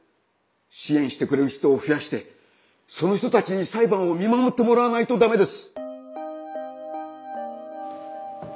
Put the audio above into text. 支援してくれる人を増やしてその人たちに裁判を見守ってもらわないとだめです。